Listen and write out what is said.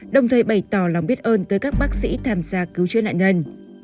đồng thời bày tỏ lòng biết ơn tới các bác sĩ tham gia cứu chữa nạn nhân